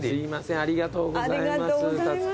ありがとうございます。